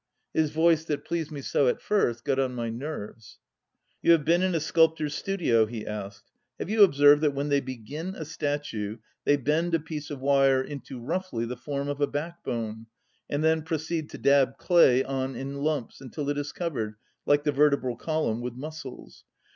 His voice that pleased me so at first, got on my nerves. ..." You have been in a sculptor's studio ?" he asked. " Have you observed that when they begin a statue they bend a piece of wire into, roughly, the form of a backbone, and then proceed to dab clay on in lumps, until it is covered, like the vertebral column, with muscles